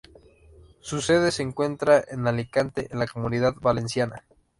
Su sede se encuentra en Alicante, en la Comunidad Valenciana.